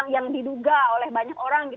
yang diduga oleh banyak orang